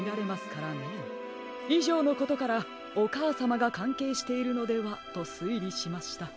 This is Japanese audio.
いじょうのことからおかあさまがかんけいしているのではとすいりしました。